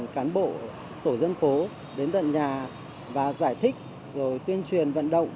cán bộ tổ dân phố đến tận nhà và giải thích rồi tuyên truyền vận động